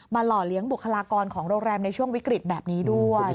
หล่อเลี้ยงบุคลากรของโรงแรมในช่วงวิกฤตแบบนี้ด้วย